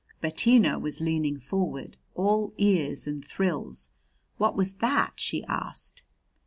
Bettina was leaning forward, all ears and thrills. "What was that?" she asked.